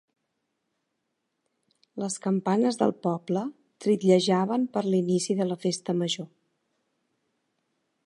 Les campanes del poble tritllejaven per l'inici de la festa major.